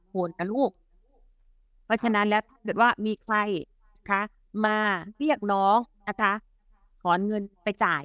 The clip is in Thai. โหลละลูกเพราะฉะนั้นแล้วว่ามีใครคะมาเรียกน้องนะคะถอนเงินไปจ่าย